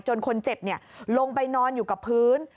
คนเจ็บลงไปนอนอยู่กับพื้น